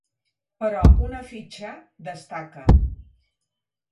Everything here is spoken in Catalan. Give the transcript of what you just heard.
Però una fitxa destaca.